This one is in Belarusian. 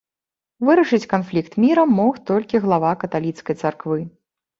Вырашыць канфлікт мірам мог толькі глава каталіцкай царквы.